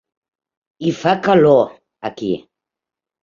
Hi fa calor, aquí!